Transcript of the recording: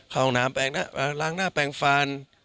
ห้องน้ำล้างหน้าแปลงฟาน